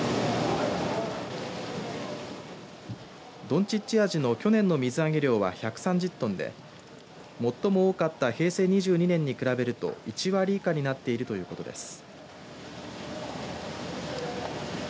どんちっちアジの去年の水揚げ量は１３０トンで最も多かった平成２２年に比べると１割以下になっているということです。